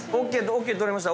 ＯＫ取れました。